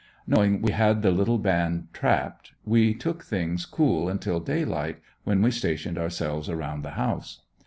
Knowing we had the little band trapped, we took things cool until daylight, when we stationed ourselves around the house.